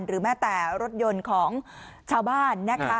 แม้แต่รถยนต์ของชาวบ้านนะคะ